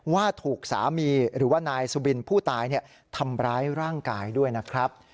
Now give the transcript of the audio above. ว่าถูกสามีหรือว่านายสุบินผู้ตายทำร้ายร่างกายด้วยนะครับ